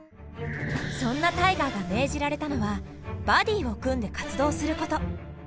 そんなタイガーが命じられたのはバディを組んで活動すること。